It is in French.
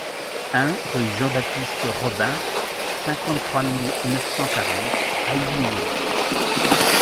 un rue Jean-Baptiste Robin, cinquante-trois mille neuf cent quarante Ahuillé